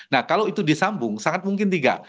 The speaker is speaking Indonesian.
nah kalau itu disambung sangat mungkin tiga